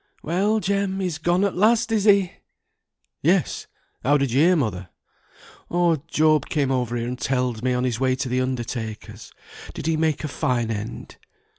"Well, Jem, he's gone at last, is he?" "Yes. How did you hear, mother?" "Oh, Job came over here and telled me, on his way to the undertaker's. Did he make a fine end?"